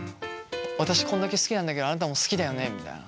私こんだけ好きなんだけどあなたも好きだよねみたいな。